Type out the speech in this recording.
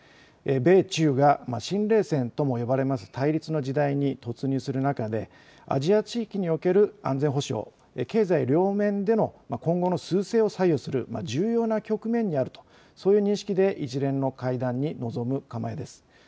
米中が新冷戦とも呼ばれます対立の時代に突入する中でアジア地域における安全保障、経済両面での今後のすう勢を左右する重要な局面にあるというそういう認識で一連の会談に臨む構えです。